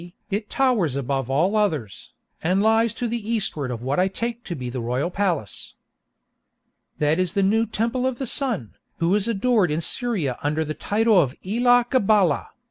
it towers above all others, and lies to the eastward of what I take to be the royal palace!" That is the new Temple of the Sun, who is adored in Syria under the title of Elah Gabalah.